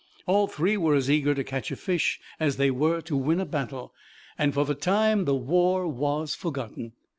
All three were as eager to catch a fish as they were to win a battle, and, for the time, the war was forgotten.